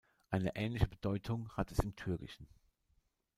Eine ähnliche Bedeutung hat es im Türkischen.